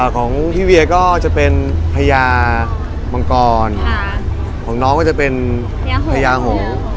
ของพี่เวียก็จะเป็นพญามังกรของน้องก็จะเป็นพญาหง